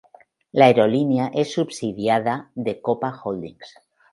La aerolínea es subsidiada de Copa Holdings.